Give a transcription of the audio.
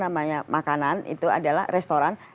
dan pajak makanan itu adalah restoran